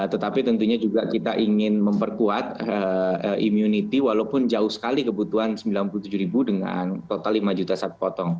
tetapi tentunya juga kita ingin memperkuat imunity walaupun jauh sekali kebutuhan sembilan puluh tujuh ribu dengan total lima juta satu potong